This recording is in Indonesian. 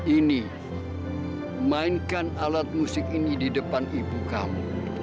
ini mainkan alat musik ini di depan ibu kamu